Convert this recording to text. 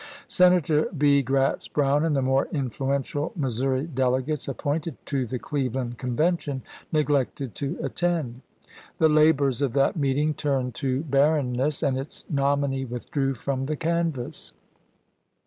Senator B. Gratz Brown and the more influential Missouri delegates appointed to the Cleveland Convention neglected to attend; the labors of that meeting turned to barrenness, and its nominee withdrew from the canvass.